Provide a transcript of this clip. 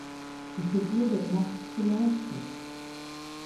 Die Figur wird nachts beleuchtet.